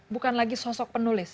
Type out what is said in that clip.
bukan lagi sosok penulis